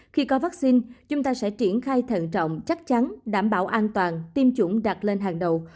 khi có vaccine chúng ta sẽ triển khai thận trọng chắc chắn đảm bảo an toàn tiêm chủng đặt lên hàng đầu